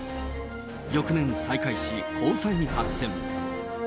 翌年再会し、交際に発展。